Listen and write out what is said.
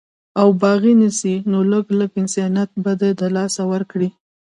او باغي نسي نو لږ، لږ انسانيت به د لاسه ورکړي